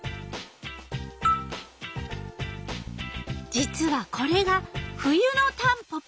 実はこれが冬のタンポポ。